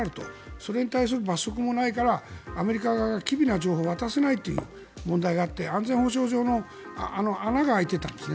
それに対する罰則もないからアメリカ側が機微な情報を渡せないという問題があって安全保障上の穴が開いていたんですね。